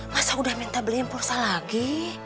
masa udah minta beli impulsa lagi